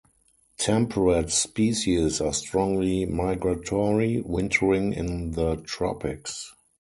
Temperate species are strongly migratory, wintering in the tropics.